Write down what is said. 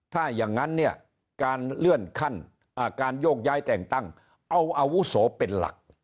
ถ้าอย่างนั้นเนี่ยการเลื่อนขั้นการโยกย้ายแต่งตั้งเอาอาวุโสเป็นหลัก